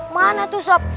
mana tuh sob